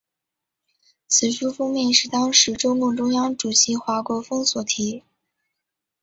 此书封面是当时中共中央主席华国锋所题。